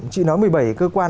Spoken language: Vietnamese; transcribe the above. chị nói một mươi bảy cơ quan